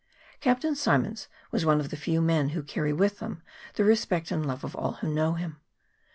Captain Symonds was one of the few men who carry with them the respect and love of all who know them.